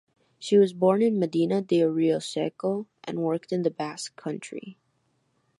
She was born in Medina de Rioseco and worked in the Basque Country.